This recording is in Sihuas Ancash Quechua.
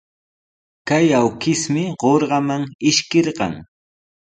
Kay awkishmi qutraman ishkirqan.